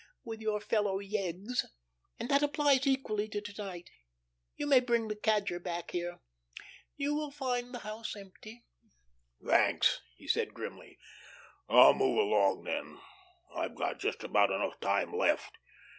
—with your fellow yeggs. And that applies equally to to night. You may bring the Cadger back here. You will find the house empty." "Thanks!" he said grimly. "I'll move along then; I've got just about enough time left.